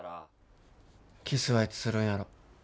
キスはいつするんやろ。